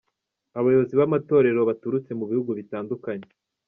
Abayobozi b’amatorero baturutse mu bihugu bitandukanye.